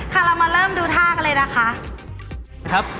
เรามาเริ่มดูท่ากันเลยนะคะ